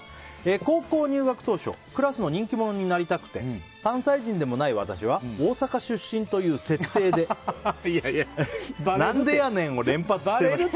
高校入学当初クラスの人気者になりたくて関西人でもない私は大阪出身という設定で何でやねん！を連発していました。